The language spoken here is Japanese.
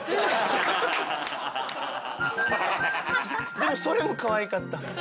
でもそれもかわいかった。